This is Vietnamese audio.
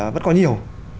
vẫn có nhiều